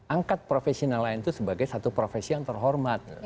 angkat profesi nelayan itu sebagai satu profesi yang terhormat